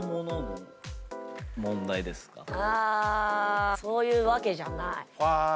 そういうわけじゃない。